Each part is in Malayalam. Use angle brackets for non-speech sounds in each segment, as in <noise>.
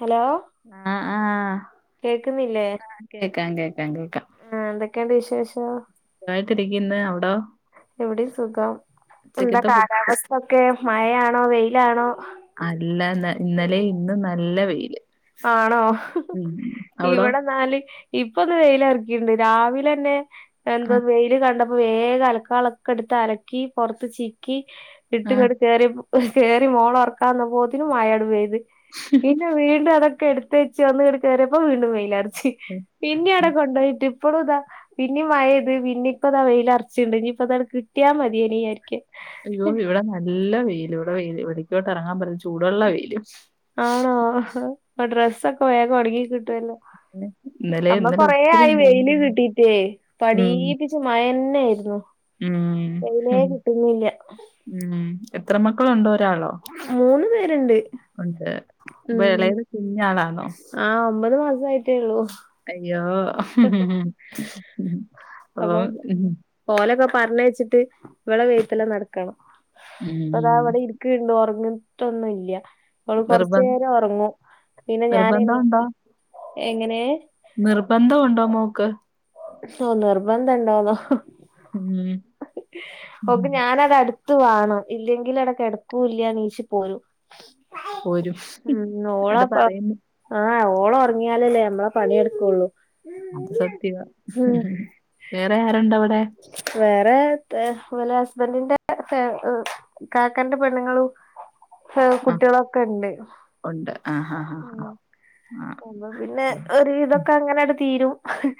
ഹലോ ആഹ് ആഹ് കേക്കുന്നില്ലേ ആഹ് കേക്കാം കേക്കാം കേക്കാം ആഹ് എന്തൊക്കെണ്ട് വിശേഷം സുഖായിട്ടിരിക്കുന്ന് അവിടോ ഇവിടേം സുഖം എന്താ ഉച്ചക്കത്തെ ഫുഡ് കാലാവസ് ഒക്കെ മഴയാണോ വെയിലാണോ അല്ലന്നെ ഇന്നലേം ഇന്നും നല്ല വെയില് ആണോ ഉം അവിടോ ഇവിടെന്നാല് ഇപ്പൊന്ന് വെയിലറക്കിണ്ട് രാവിലെന്നെ എന്താ ആഹ് വെയില് കണ്ട പ്പോ വേഗലക്കാള്ളോക്കെ എടുത്ത് അലക്കി പുറത്ത് ചിക്കി ഇട്ട- ആഹ് കേറി മോളെ ഉറക്കാന്നപ്പോത്തിന് മഴട് പെയ്ത് പിന്നെ വീണ്ടും അതൊക്കെ എടുത്ത് വച്ച് വന്ന് ങ്ങട്ട് കേറിയപ്പോ വീണ്ടും വെയിലറച്ച് പിന്നേം അവിടെ കൊണ്ടോയിട്ട് ഇപ്പളും ദാ പിന്നീം മേഴേത് പിന്നെ ഇപ്പൊ ദാ വെയിൽ അറച്ചിണ്ട് ഇനി പ്പൊത് കിട്ടിയാമതിയനിവിചാരിക്ക അയ്യോ ഇവിടെ നല്ല വെയില് ഇവിടെ വെയിൽ ഇവിടക്കോട്ട് ഇറങ്ങാൻ പറ്റി ചൂടുള്ള വെയില് ആണോ ആഹ് ഡ്രസ്സൊക്കെ വേഗം ഒണങ്ങി കിട്ടുവല്ലോ പിന്നെ ഇന്നലെ അമ്മക്ക് ഇന്നലെ കൊറേ ഒത്തിരി ആയി ഉണ്ടായിരുന്നു വെയില് പിന്നെ. കിട്ടീട്ടെ ഉം പടീപ്പി ന്ന് മയന്നേര്ന്നു ഉം വെയിലെ ഉം കിട്ടുന്നില്ല ഉം എത്ര മക്കളുണ്ട് ഒരാളോ? മൂന്ന് പേരുണ്ട്. ഉണ്ട് വെളെൽ കുഞ്ഞാളാണോ? ആഹ് ഒമ്പത് മാസയിട്ടേ ഒള്ളൂ. അയ്യോ ഓ ഹ് ഹ് ഹ് ഓ ഹ് അപ്പൊ ആ. ഓലൊക്കെ പറഞ്ഞെച്ചിട്ട് ഇങ്ങള് വെത്തിലെ നടക്കണം ഇപ്പതാ അവ്ടെഇര് ക്ക് ണ്ട് ഒർങ്ങിട്ടൊന്നുല്ല. അവള് നിർബ കൊർച്ചേര ഒർങ്ങും പിന്നെ ഞാൻ എണീ നിർബന്ധം എങ്ങനെ? നിർബന്ധഉണ്ടോ മോക്ക്? പഷേ നിർബന്ധ ഉണ്ടോന്നോ ഉം അഹ് ഓക്ക് ഞാനത്ട്ത ത്ത് വേണം ഇല്ലെങ്കില് അവ്ടെ ക്ക്ടക്കൂല്ല നീഷ് പോരും പോരും. ആഹ് അത് ഓളപ്പ പറയുന്നു ആഹ് ഓള് ഒറങ്ങിയാലല്ലേ ന്നമ്മളെ പണിയട്ക്കൊള്ളൂ. അത് സത്യവാ ഹ് ഹ് ഹ് വേറെ ആരുണ്ട് അവിടെ? വേറെ തെ വ് ലെ ഹസ്ബന്റിന്റെ ഫേ എ. കാക്കന്റെ പെണ്ണ്ങ്ങള് എ ആഹ് കുട്ട്യാളൊക്കെണ്ട്. ഉണ്ട് ആഹ് ഹ ഹ അപ്പൊ പിന്നെ ഒര് വിതൊക്കെ അങ്ങനെട് തീരും.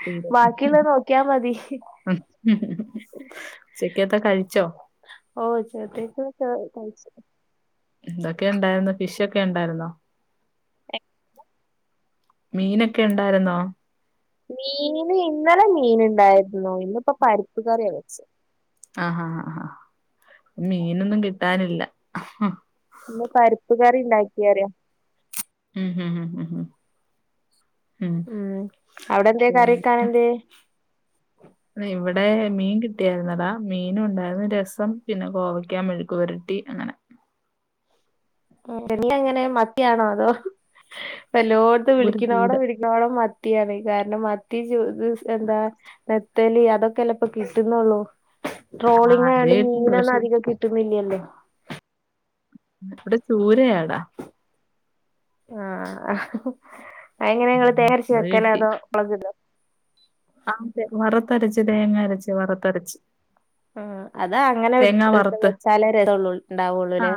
തീരും. ബാക്കിയിള്ളെ നോക്കിയാ മതി ഹി ഹി. ചെക്കത്തെ കഴിച്ചോ? ഓ ചക്കത്തോക്കെ കഴിച്ചു. എതൊക്കെണ്ടായിര്ന്നു ഫിഷ് ഒക്കെ എണ്ടായ്ര്ന്നോ? മീനൊക്കെ ഇണ്ടായര്ന്നോ? മീന് ഇന്നലെ മീൻ ഇണ്ടായിര്ന്നു ഇന്നിപ്പോ പരിപ്പ് കറിയ വെച്ചേ. ആഹഹാആ മീനൊന്നും കിട്ടാനില്ല അ ഹ്. ഇന്ന് പരിപ്പ്കറി ഇണ്ടാക്കിയറിയ മ്മ് ഹ് ഹ് ആഹ് അവ്ടെ എന്തേ കറിയെക്കാൻ എന്തേ? ഇവ്ടെ മീൻ കിട്ടിയായിര്ന്നെടാ മീനുണ്ടായിരുന്നു രസം പിന്നെ കോവയ്ക്ക മെഴുക്പുരട്ടി അങ്ങനെ. ട്ട്ലെങ്ങനെ മത്തിയാണോ അതോ പെല്ലോടത്തും ഒരു ചൂര വിളിക്കോണോടം വിളി ക്ക്ണോടം മത്തിയാണ് കാരണം മത്തി ചു ഇദ് സ് എന്താ പെത് ത്തല് അതൊക്കെല്ലപ്പോ കിട്ടുന്നോള്ളൂ ആ ട്രോളിംഗ് അത് ആയോണ്ട് കിട്ടും മീനൊന്ന് പക്ഷെ അധികം കിട്ട് ട്ടുന്നില്ലലോ. ഇവ്ടെ ചൂരയാടാ. ആഹ് അയ് എങ്ങനെ ഇങ്ങള് ഉം, തേങ്ങ അരച്ച് അത് വെക്കല അതോ മോളഗ്ഇടോ? ആഹ് തേങ്ങ വറുത്തരച്ച് തേങ്ങ അരച്ച് വറുത്തരച്ച്. ആഹ് അതാ അങ്ങനെ ഇട് തേങ്ങ ട്ട് വറുത്ത് വെച്ചാലേ രസണ്ടാവോള്ളൂല്ലേ.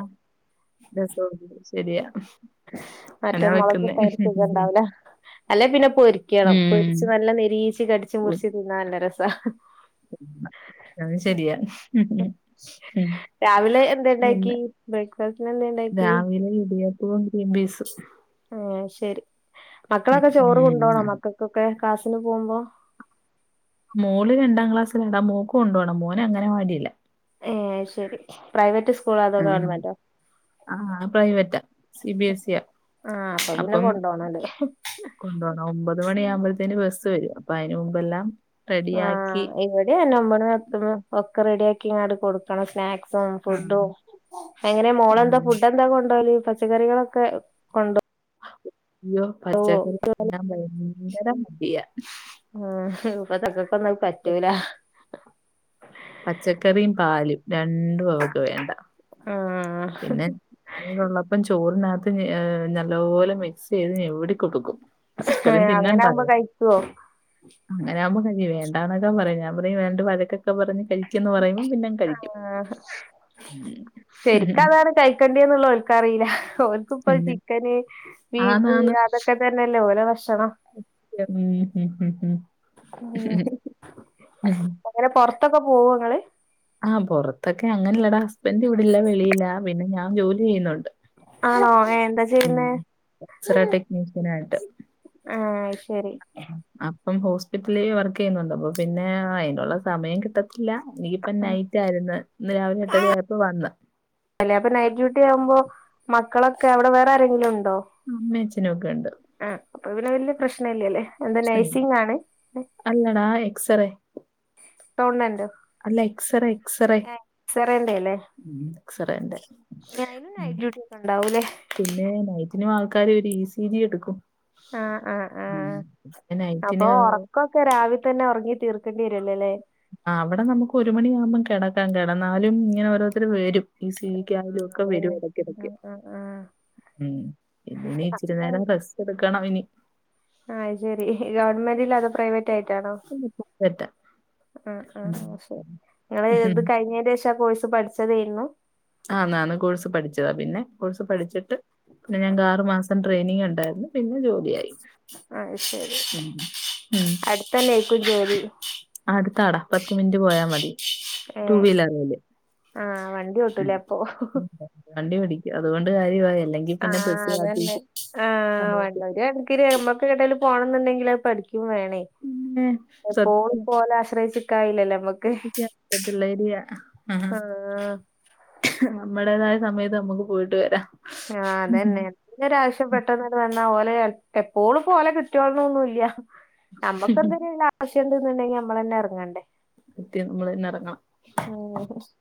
രസണ്ട് മറ്റേ വെക്കുന്നേ മോളഗ്ട്ടര് സുഖണ്ടാവുല. അല്ലെ പിന്നെ പൊരിക്കണം ഉം പൊരിച്ച് നല്ല ന്നിരീച്ച് കടിച്ച് മുറിച്ച് തിന്നാ നല്ല രസ ഹ് ഹ്. ആ അത് ശെരിയാ ഹ് ഹ് ഹം. രാവിലെ എന്തണ്ടാക്കി ബ്രേക്ക്ഫാസ്റ്റന് എന്തണ്ടാക്കി? ന്ന് ഇടിയ <unintelligible> ഗ്രീൻപിസ്. ആ ശെരി ഉം, മക്കളൊക്കെ ചോറ് കൊണ്ടോണോ ഉം. മക്കക്കൊക്കെ ക്ലാസിന് പോവുമ്പോ? മോള് രണ്ടാം ക്ലാസ്സലാടാ മോക്ക് കൊണ്ടോണം മോന് അങ്ങനവാടിയില. ഏ ശെരി പ്രൈവറ്റ് സ്കൂളോ അതോ ഉം. ഗവൺമെന്റോ? ആ പ്രൈവറ്റാ സി ബി എസ് സിയാ. ആഹ് അപ്പൊ പിന്നെ അപ്പം കൊണ്ടോണല്ലേ കൊണ്ടോണം ഒമ്പത് മണിഴാകുമ്പോഴ്ത്. തിന് ബസ്സ് വരും അപ്പൊ അയിന് മുമ്പെല്ലാം ആഹ് റെഡിയാക്കി. <unintelligible> ഒക്കെ റെഡിയ ആക്കിങ്ങാണ്ട് കൊട്ക്കണം സ്നാക്സും ആഹ് ഫുഡും. എങ്ങനെ മോളെന്താ ഉം ഫുഡ് എന്താ കൊണ്ടോവല് പച്ചക്കറികളൊക്കെ കൊണ്ടോവോ ഉള്ളിയോ പച്ചക്കറിയോ തിന്നാൻ ഭയങ്കര മടിയാ ആ ഇപ്പക്കക്കൊന്നും പറ്റൂല പച്ചക്കറിയും പാലും രണ്ടും അവൾക്ക് വേണ്ട ആ ആ പിന്നെ ഞാനിവിടെള്ളപ്പം ചോറിനകത്ത് നല്ലപോലെ മിക്സ് ചെയ്ത് നവിടിക്കൊടുക്കും പച്ചക്കറിം അങ്ങനെ ആവുമ്പോ തിന്നെണ്ടായോ കഴിക്കുവോ അങ്ങനൊവുമ്പോ കഴിക്കും വേണ്ടാന്നൊക്കെ പറയും ഞാൻ പറയും രണ്ട് വഴക്കൊക്കെ പറഞ് കഴി കഴിക്കെന്ന് പറയുമ്പോ പിന്നെ കഴിക്കും ആഹ് ശരിക്ക് അതാണ് കഴിക്കേണ്ടതെന്നുള്ളത് അവക്കറിയില്ല അവർക്കിപ്പ പിന്നെ ചിക്കന് ബീഫ് ആന്നാന്ന് അതൊക്കെ അതൊക്കെ തന്നെയല്ലേ ഓല ഭക്ഷണം ഉം ഉ ഉ ഉ ഉം ഉം അങ്ങനെ പുറത്തൊക്കെ പോവോ ഇങ്ങള് ആഹ് പുറത്തൊക്കെ അങ്ങനെല്ലടാ ഹസ്ബൻറ് ഇവിടെല്ല വെളിയില പിന്നെ ഞാൻ ജോലി ചെയ്യുന്നുണ്ട് ആണോ ഐ എന്താ ഉം ചെയ്യുന്നേ എക്സ്റേ ടെക്നീഷ്യനായിട്ട് ആഹ് ശരി ഉം അപ്പം ഹോസ്പിറ്റലില് വർക്ക് ചെയ്യുന്നുണ്ട് അപ്പൊ പിന്നെ അതിനുള്ള സമയം കിട്ടത്തില്ല എനിക്ക് ഇന്നിപ്പ ആ നൈറ്റ് ആയിരുന്നു ഇന്ന് രാവിലെ എട്ടര ആയപ്പോ വന്ന് അപ്പൊ നൈറ്റ് ഡ്യൂട്ടി ആവുമ്പോ മക്കളൊക്കെ അവിടെ വേറെ ആരെങ്കിലും ഉണ്ടോ അമ്മേം അച്ഛനും ഒക്കെ ഉണ്ട് ആ അപ്പൊ പിന്നെ വലിയ പ്രശ്നല്ല അല്ലേ എന്താ പ്രശ്നമില്ല നഴ്‌സിംഗാണ് അല്ലടാ എക്സറേ ഗവണ്മെന്റോ അല്ല എക്സറേ എക്സറേ എക്‌സറന്റെല്ലേ ഉം എക്സറേന്റെ അയ്‌നും നൈറ്റ് ആഹ് ഡ്യൂട്ടി ഒക്കെ ഉണ്ടാവൂല്ലേ പിന്നെ നൈറ്റിനും ആൾക്കാര് വരും ഇ സി ജി എടുക്കും ആഹ് ആഹ് ഉം അപ്പൊ നയ്റ്റ്ന് ഒക്കെ രാവിലെ തന്നെ ഉറങ്ങി തീർക്കേണ്ടി വരുല്ലോല്ലേ ആ അവിടെ നമുക്ക് ഒരു മണിയാാവുമ്പോം കിടക്കാം കിടന്നാലും ഇങ്ങനെ ഓരോരുത്തർ വരും ഈ സീ ജിക്കായാലും ആഹ് ഒക്കെ വരും അതന്നെ ഇടക്കിടയ്ക്ക് ആഹ് ആഹ് ഉം ഇന്ന് ഇനി ഇച്ചിരി ആഹ് നേരം റസ്റ്റ്‌ എടുക്കണം ഇനി ആഹ് അത് ശരി ഗവൺമെന്റ്ലാണോ അതോ പ്രൈവറ്റ് ആയിട്ടാണോ <unintelligible> പ്രൈവറ്റ ഉം ഉം ശരി നിങ്ങള് ഉം. ഇത് കഴിഞ്ഞതിന്റെ ശേഷം ആ കോഴ്സ് പഠിച്ചതായിരുന്നു ആഹ് അന്ന് കോഴ്സ് പഠിച്ചതാ പിന്നെ കോഴ്സ് പഠിച്ചിട്ട് പിന്നെ ഞങ്ങക്ക് ആറു മാസം ട്രെയിനിങ് ഉണ്ടായിരുന്നു പിന്നെ ജോലിയായി ആഹ് ഉ ഉം അടുത്തന്നേക്കു ജോലി അടുത്താടാ പത്ത് മിനിറ്റ് പോയാ മതി ടു ഏഹ് വീലറില് ആഹ് വണ്ടി ഓട്ടൂലേ അപ്പൊ ഉം വണ്ടി പടിക്ക്യാ അതുകൊണ്ട് കാര്യമായല്ലോ ആ അതന്നെ ആ സമയത്ത് വണ്ടി ഒര് പിന്നെ നമ്മക്ക് എങ്ങട്ടേലും പോണംന്ന് ണ്ടെങ്കിൽ അത് പഠിക്കും വേണേ- പിന്നെ എപ്പോഴും ഇപ്പൊ ഓലെ ആശ്രയിച്ച് നിക്കാൻ കഴിയില്ലല്ലോ- ന്റത് ഒരുള്ളേര്യാ ആഹ് - നമ്മുടേതായ സമയത്ത് നമുക്ക് പോയിട്ട് വരാം- ആഹ് അതന്നെ- എന്തേലും ഒരാവശ്യം പെട്ടെന്നാണ്ട് വന്നാൽ ഓലെ എപ്പോഴും ഇപ്പൊ ഓലെ കിട്ട്യോളണന്നൊന്നുമില്ല- നമുക്ക് എന്തെങ്കിലും ആവശ്യണ്ട്ന്ന്ണ്ടെങ്കി നമ്മളന്നെ എറങ്ങേണ്ടേ- സത്യം നമ്മള് തന്നെ എറങ്ങണം- ഓഹ് -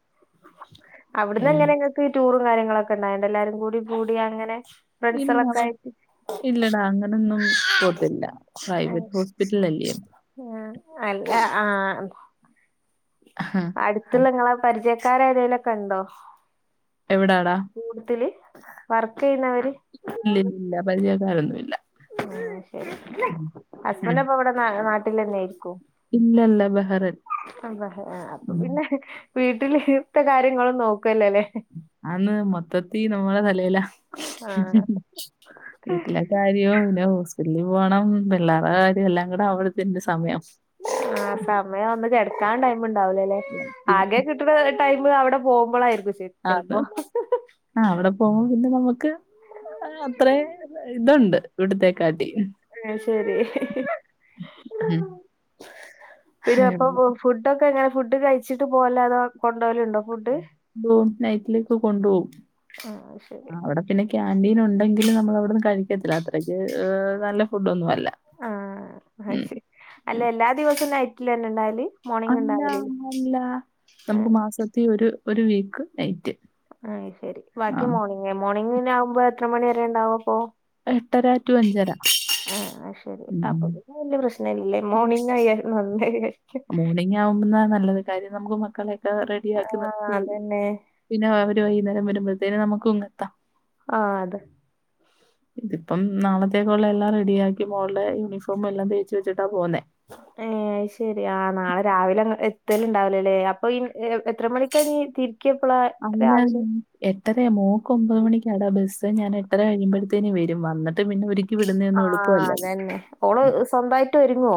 അവിടന്ന് എൻ- എങ്ങനെങ്ങക്ക് ടൂറും കാര്യങ്ങളൊക്കെ ഉണ്ടായിണ്ട എല്ലാരും കൂടി അങ്ങനെ- ഇല്ല ഫ്രൻസലൊക്കെ ആയിട്ട്- ഇല്ലടാ അങ്ങനൊന്നും പോത്തില്ല പ്രൈവറ്റ് ഹോസ്പിറ്റലല്ലേ അല്ല ആഹ് - ആഹ് - അടുത്തുള്ള നിങ്ങളെ പരിചയക്കാരാരേലും ക്കെ ഒണ്ടോ? എവിടാടാ? കൂടുതല് വർക്ക് ചെയ്യുന്നവര്- ഇല്ലില്ലില്ല പരിചയക്കാരൊന്നും ഇല്ല- ഉം ശരി ഉം. ഹസ്ബൻറ് അപ്പൊ ഇവിടെ നാട്ടിൽ തന്നെ ആയിരിക്കും- ഇല്ലല്ല ബഹ്റിൻ അപ്പൊ പിന്നെ വീട്ടിലത്തെ കാര്യങ്ങളും നോക്കല്ലല്ലേ- ആന്ന് മൊത്തത്തി നമ്മുടെ തലേലാ- ആഹ് - വീട്ടിലെ കാര്യോ പിന്നെ ഹോസറ്റിറ്റലിൽ പോണം പിള്ളേരുടെ കാര്യോ എല്ലാം കൂടെ അകുമ്പഴത്തേന് ഒര് സമയാവും- ആഹ് സമയം ഒന്ന് കിടക്കാൻ ടൈമ് ഉണ്ടാവില്ലാല്ലെ പിന്നെ ആകെ കി- കിട്ട്ന്നടൈമ് അവിടെ പോകുമ്പോളായിരിക്കും ശരി ആന്ന് ചെലപ്പോ ആ അവിടെ പോകുമ്പോ പിന്നെ നമുക്ക്- ആഹ് അത്രയും ഇതൊണ്ട് ഇവിടത്തേക്കാട്ടി- ഏഹ് ശരി ഉം. പിന്നെ എപ്പപ്പോവും- ഫുഡ്ക്കെ എങ്ങനെ ഫുഡ് കഴിച്ചിട്ട് പോവല്ലണോ അതോ കൊണ്ടോവലുണ്ടോ ഫുഡ്- ഓഹ് നൈറ്റിലേക്ക് കൊണ്ടുപോവും- ആഹ് ശരി- പിന്നെ ക്യാന്റീൻ ഒണ്ടെങ്കിലും നമ്മൾ അവിടന്ന് കഴിക്കത്തില്ല അത്രയ്ക്ക് നല്ല ഫുഡ് ഒന്നുമല്ല- ആഹ് അശരി അല്ല എല്ലാ ദിവസവും നൈറ്റില് തന്നെ ഉണ്ടാവല്- മോർണിംഗ് അല്ല ഉണ്ടാവലില്ലേ അല്ല ആ നമുക്ക് മാസത്തി ഒരു ഒരു വീക്ക് നൈറ്റ്- അയ് ശരി ആ. ബാക്കി മോർണിംഗ് മോർണിംഗ് ആകുമ്പോ എത്ര മണി വരെണ്ടാവു അപ്പോ- ടു ആഹ് ശരി അപ്പ ഉം. പി വല്ല്യ പ്രശ്ന ഇല്ലേ മോർണിംഗ് ആയാലും നല്ലത് - മോർണിംഗ് ആവുമ്പന്നാ നല്ലത് കാര്യം നമുക്ക് മക്കളെയൊക്കെ റെഡിയ ആ ആക്കി നിർത്തി- അതന്നെ പിന്നെ അവര് വൈകുന്നേരം വരുമ്പോഴത്തേനും നമുക്കും ഇങ്ങെത്താം- ആഹ് അതെ- അ <inaudible> ഇതിപ്പം നാളത്തേക്കുള്ള എല്ലാം റെഡിയാക്കി മോളുടെ യൂണിഫോം എല്ലാം തേച്ച് വെച്ചിട്ടാ പോന്നേ- ഏ അത് ശരി ആ നാളെ രാവിലെ എത്തലണ്ടാവലല്ലേ അപ്പൊ എത്ര മണിക്കാണിനി തി രിക്കെപ്പളാ- <unintelligible> എട്ടര മോക്ക് ഒമ്പത് മണിക്കാടാ ബസ്സ് ഞാനെട്ടര കഴിയുമ്പോഴത്തേന് വരും വന്നിട്ട് പിന്നെ ഒരു ആഹ് അതന്നെ ഓള് സ്വന്തമായിട്ട് ഒരുങ്ങോ?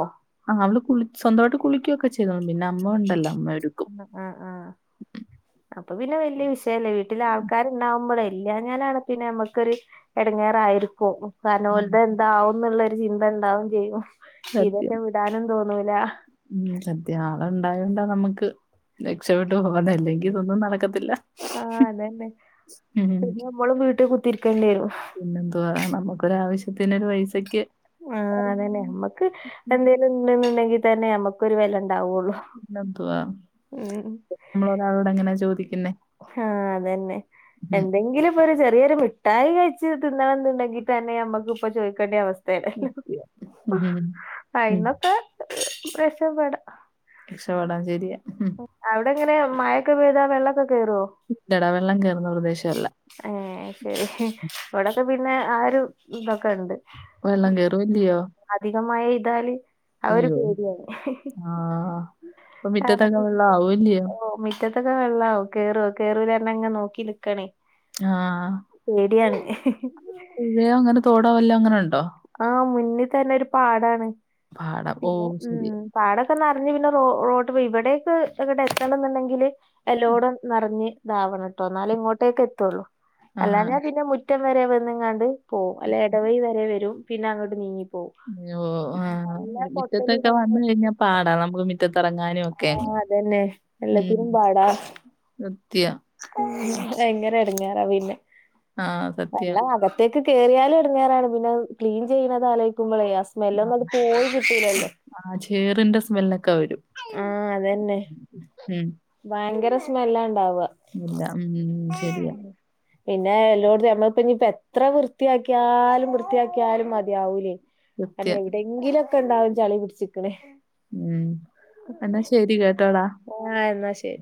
ആഹ് അവള് കുളി സ്വന്തമായിട്ട് കുളിക്കൊക്കെ ചെയ്തോളും പിന്നെ അമ്മ ഒണ്ടല്ലോ അമ്മ ഒരുക്കും- ആഹ് ആഹ് ആഹ് അപ്പൊ പിന്നെ വലിയ വിഷയില്ല വീട്ടില് ആൾക്കാര് ഉണ്ടാവുമ്പോളേ ഇല്ലാഞ്ഞാലാണ് പിന്നെ നമ്മുക്കൊരു എടങ്ങേറായിരിക്കോ - കാരണം ഉം, ഓല്ത് എന്താവുന്നുള്ളൊരു ചിന്തണ്ടാവും ചെയ്യും സത്യം ഇതെറ്റം വിടാനും തോന്നൂല ഉം സത്യം ആള് ണ്ടായോണ്ട നമ്മക്ക് രക്ഷപെട്ട് പോകുന്നു അല്ലെങ്കിൽ ഇതൊന്നും നടക്കത്തില്ല മ്മളും വീട്ടി കുത്തിരിക്കണ്ടി വെരും പിന്നെന്തുവാ നമുക്കൊരാവശ്യത്തിനൊരു പൈസ ആ അതെന്നെ മ്മക്ക് എന്തെ <unintelligible> ണ്ടെങ്കിത്തെന്നെ നമുക്കൊരു വെല ണ്ടാവൊള്ളു എന്തുവാ നമ്മളൊരാളോട് എങ്ങനാ ചോദിക്കുന്നെ ആ അതെന്നെ എന്തെങ്കിലും ഇപ്പൊ ഒരു ചെറിയൊരു മിഠായി കഴിച്ച് തിന്നണംന്ന്ണ്ടെങ്കിത്തെന്നെ നമ്മുക്ക്പ്പ ചോയ്ക്കണ്ടവസ് ഥെണല്ലൊ സത്യം. ഉം. ഉം. അയിന്നൊക്കെ രക്ഷപ്പെടാ രക്ഷപെടാം ശെരിയാ അവടെങ്ങനെ മഴൊക്കെ പെയ്താ വെള്ളൊക്കെ കേറോ ഇല്ലടാ വെള്ളം കേറുന്ന പ്രദേശല്ല ഏ ശെരി ഇവിടൊക്കെ പിന്നെ ആ ഒരു ഇതൊക്കെണ്ട് വെള്ളം കേറും ഇല്ല്യോ അധികം മഴെയ്താല് ആഒരു പേട്യണ് ആ. അപ്പൊ മിറ്റത്തൊക്കെ വെള്ളം ആവുവല്ലയോ? ഓ റ്റത്തൊക്കെ വെള്ളാവും കേറോ കേറൂല്ലേ ർഞ് അങ്ങനെ നോക്കി നിക്കാണെ ആ പേടിയാണ് പുഴയോ അങ്ങനെ തോടോ വല്ലോ അങ്ങനെണ്ടോ ആ മുന്ന് ത്തന്നെ ഒരു പാടാണ് പാടം. ഓ! പിന്നെ ശരി. ഉം പാടൊക്കെ നർഞ്ഞ് പിന്നെ റോ റോട്ട് ഇവിടെക്കെ ങ്ങട്ട് എത്തണംന്ന്ണ്ടെങ്കില് എല്ലോടും നറഞ്താവണം ട്ടോ ന്നാലെ ഇങ്ങോട്ടേക്കെത്തൊള്ളൂ ആ. അല്ലാഞ്ഞ പിന്നെ മു റ്റം വെരെ വെന്ന്ങ്ങാണ്ട് പോവും അല്ലെ എടവഴി വരെ വെരും പിന്നങ്ങട്ട് നീങ്ങിപ്പോവും ഓ ആ മിറ്റത്തൊക്കെ ഇതൊക്കെ വന്ന് കഴിഞ്ഞാ പാടാ നമുക്ക് മി റ്റത്തെറങ്ങാനൊക്കെ ആ അതന്നെ ഉം എല്ലാത്തിനും സത്യ ഉം ഭയങ്കര എടങ്ങേറ പിന്നെ ആ അല്ല സത്യം. അക ത്തേക്ക് കേറിയാലും എടങ്ങേറാണ് പിന്നത് ക്ലീൻ ചെയ്യ്ണത് ആലോയ്ക്കുമ്പളെ അസ് ആ സ്മെല്ലൊന്നണ്ട് പോയി കിട്ടുലല്ലോ ആ ചേറിന്റെ സ്മെല്ലൊക്കെ വെരും ആ അതെന്നെ ഭയങ്കര സ്മെല്ലാണ്ടാവ ഇല്ല ഉം ശെരിയ പിന്നെ എല്ലോട്ത്തും ഞമ്മള്പ്പ ഇനിപ്പ എത്ര വൃത്തിയാക്കിയാലും വൃത്തിയാക്കിയാലും മതിയാവൂലേ കാരണം സത്യം. എവിടെയങ്കിലൊക്കെണ്ടാവും ചളി പിടിച്ച്ക്ക്ണ്‌ ഉം എന്നാ ശെരി കേട്ടോടാ ആ എന്നാ ശരി